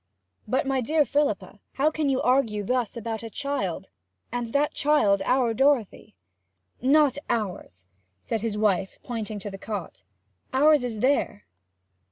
'But, my dear Philippa, how can you argue thus about a child, and that child our Dorothy?' 'Not ours,' said his wife, pointing to the cot. 'Ours is here.'